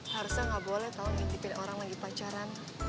harusnya gak boleh tau ngintipin orang lagi pacaran